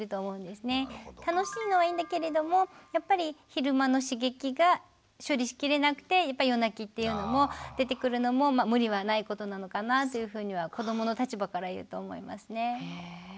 楽しいのはいいんだけれどもやっぱり昼間の刺激が処理しきれなくてやっぱり夜泣きっていうのも出てくるのも無理はないことなのかなというふうには子どもの立場から言うと思いますね。